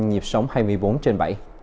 nhịp sống hai mươi bốn trên bảy